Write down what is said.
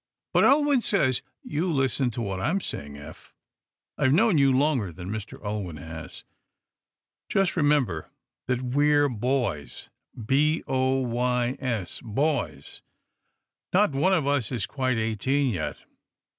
"But Ulwin says " "You listen to what I'm saying, Eph. I've known you longer than Mr. Ulwin has. Just remember that we're boys b o y s boys. Not one of us is quite eighteen yet.